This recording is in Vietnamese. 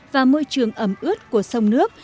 và môi trường ấm ướt của sông nước